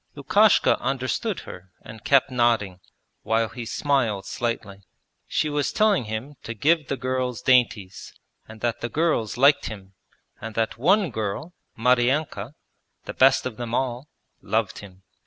Lukashka understood her and kept nodding, while he smiled slightly. She was telling him to give the girls dainties, and that the girls liked him, and that one girl, Maryanka the best of them all loved him.